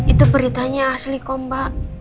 itu beritanya asli kok mbak